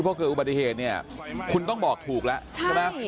พอเกิดอุบัติเหตุเนี่ยคุณต้องบอกถูกแล้วใช่ไหม